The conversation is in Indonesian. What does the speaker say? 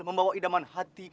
membawa idaman hati